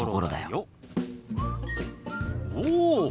おお！